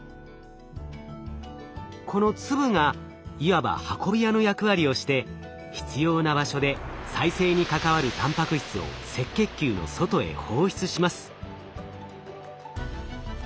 この粒がいわば運び屋の役割をして必要な場所で再生に関わるたんぱく質を赤血球の外へ放出します。